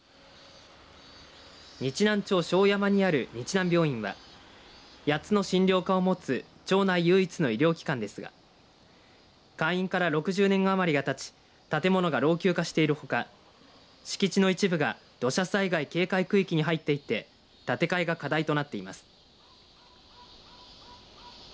日南町生山にある日南病院は８つの診療科を持つ町内唯一の医療機関ですが開院から６０年余りがたち建物が老朽化しているほか敷地の一部が土砂災害警戒区域に入っていて建て替えが課題となっています。